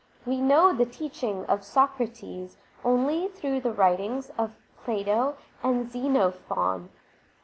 We know the teaching of Sokrates only through the writings of Plato and Xenophon.